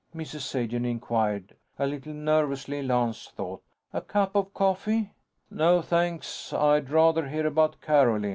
Mrs. Sagen inquired. A little nervously, Lance thought. "A cup of coffee?" "No, thanks. I'd rather hear about Carolyn."